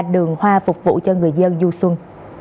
đường hoa phục vụ cho người dân du xuân